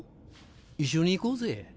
一緒に行こうぜ。